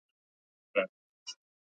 کلي د افغانانو د فرهنګي پیژندنې برخه ده.